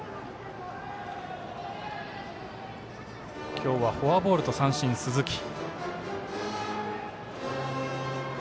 今日はフォアボールと三振の鈴木。